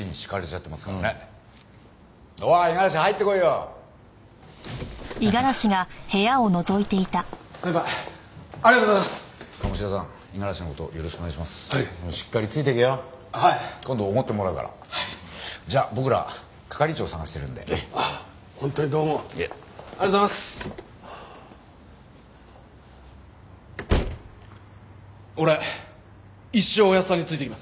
俺一生おやっさんについていきます！